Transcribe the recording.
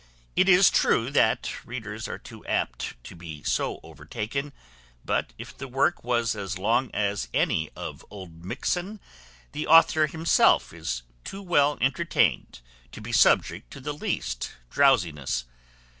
It is true, that readers are too apt to be so overtaken; but if the work was as long as any of Oldmixon, the author himself is too well entertained to be subject to the least drowsiness.